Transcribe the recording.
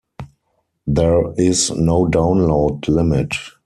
There is no download limit.